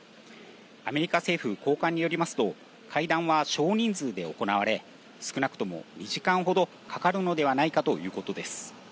アメリカ政府高官によりますと、会談は少人数で行われ、少なくとも２時間ほどかかるのではないかということです。